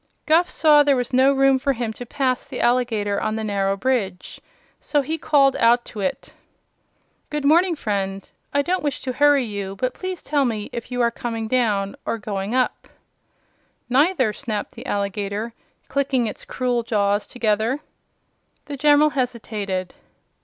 Guph saw there was no room for him to pass the alligator on the narrow bridge, so he called out to it: "Good morning, friend. I don't wish to hurry you, but please tell me if you are coming down, or going up?" "Neither," snapped the alligator, clicking its cruel jaws together. The General hesitated.